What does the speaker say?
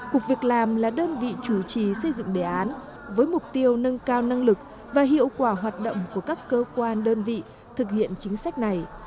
cục việc làm là đơn vị chủ trì xây dựng đề án với mục tiêu nâng cao năng lực và hiệu quả hoạt động của các cơ quan đơn vị thực hiện chính sách này